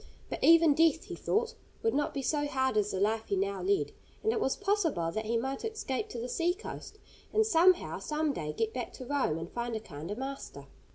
But even death, he thought, would not be so hard as the life he now led, and it was possible that he might escape to the sea coast, and somehow some day get back to Rome and find a kinder master.